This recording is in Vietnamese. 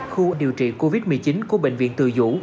khu điều trị covid một mươi chín của bệnh viện từ dũ